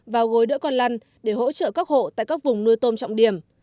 và gối đỡ con lăn để hỗ trợ các hộ tại các vùng nuôi tôm trọng điểm